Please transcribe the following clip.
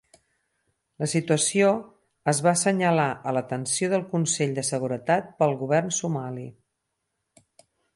La situació es va assenyalar a l'atenció del Consell de Seguretat pel govern somali.